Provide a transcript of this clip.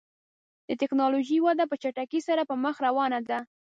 د ټکنالوژۍ وده په چټکۍ سره پر مخ روانه ده.